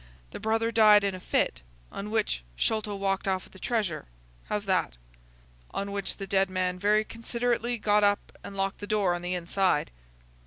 The brother died in a fit, on which Sholto walked off with the treasure. How's that?" "On which the dead man very considerately got up and locked the door on the inside."